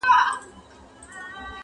د خزان په موسم کي -